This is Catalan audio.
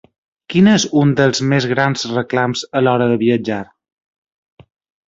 Quin és un dels més grans reclams a l'hora de viatjar?